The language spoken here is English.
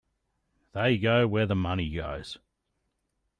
They go where the money goes.